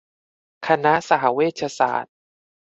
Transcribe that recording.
คณะสหเวชศาสตร์